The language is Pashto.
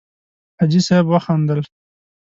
حاجي صیب وخندل.